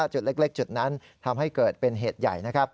จุดเล็กจุดนั้นทำให้เกิดเป็นเหตุใหญ่นะครับ